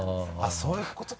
そういうことか。